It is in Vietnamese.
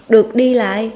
được đi lại